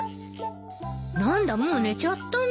何だもう寝ちゃったの。